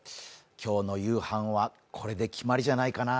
今日の夕飯はこれで決まりじゃないかな。